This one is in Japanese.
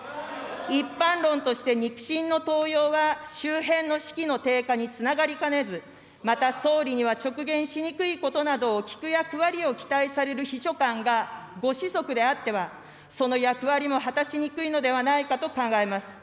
一般論として肉親の登用は周辺の士気の低下につながりかねず、また総理には直言しにくいことを聞く役割を期待される秘書官がご子息であっては、その役割も果たしにくいのではないかと考えます。